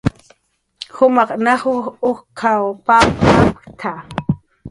najukha papa apkta juma